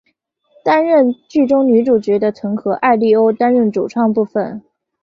担任剧中女主角的藤和艾利欧担当主唱部分。